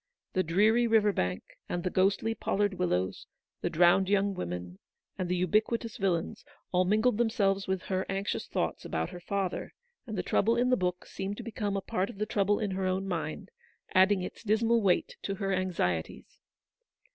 The dreary river bank, and the ghostly pollard wil lows, the drowned young women, and the ubiqui tous villains, all mingled themselves with her anxious thoughts about her father; and the trouble in the book seemed to become a part of the trouble in her own mind, adding its dismal weight to her anxieties.